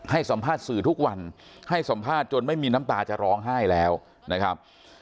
สัมภาษณ์สื่อทุกวันให้สัมภาษณ์จนไม่มีน้ำตาจะร้องไห้แล้วนะครับ